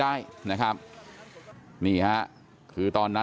เดี๋ยวให้กลางกินขนม